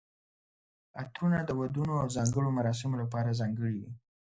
عطرونه د ودونو او ځانګړو مراسمو لپاره ځانګړي وي.